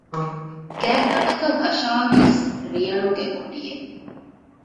ގާތްގަނޑަކަށް އަށާވީސް ރިޔަނުގެ އޮޑިއެއް